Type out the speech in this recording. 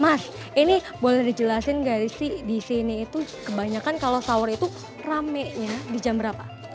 mas ini boleh dijelasin gak sih disini itu kebanyakan kalau sahur itu rame nya di jam berapa